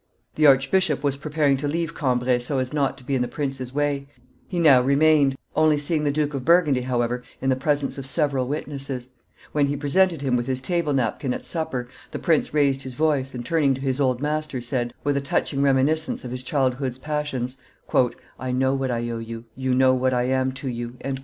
The archbishop was preparing to leave Cambrai so as not to be in the prince's way; he now remained, only seeing the Duke of Burgundy, however, in the presence of several witnesses; when he presented him with his table napkin at supper, the prince raised his voice, and, turning to his old master, said, with a touching reminiscence of his childhood's passions, "I know what I owe you; you know what I am to you."